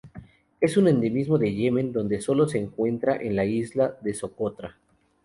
Es un endemismo de Yemen donde solo se encuentra en la isla de Socotra.